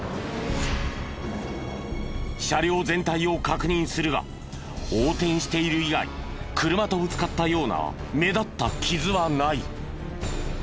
車両全体を確認するが横転している以外車とぶつかったような目立った傷はない。